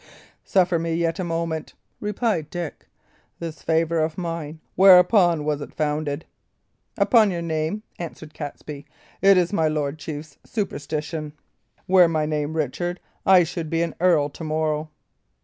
"Suffer me yet a moment," replied Dick. "This favour of mine whereupon was it founded?" "Upon your name," answered Catesby. "It is my lord's chief superstition. Were my name Richard, I should be an earl to morrow."